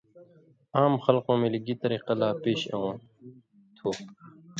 عام خلقوں ملیۡ گی طریۡقہ لا پیش اېوں تُھو